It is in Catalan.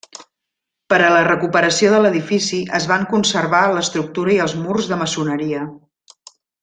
Per a la recuperació de l'edifici es van conservar l'estructura i els murs de maçoneria.